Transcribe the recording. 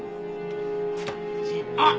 あっ！